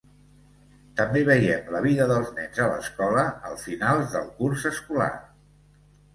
També veiem la vida dels nens a l'escola al final del curs escolar.